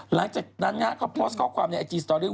หลังจากนั้นเขาโพสต์ข้อความในไอจีสตอรี่